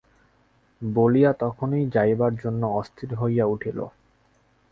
বলিয়া তখনই যাইবার জন্য অস্থির হইয়া উঠিল।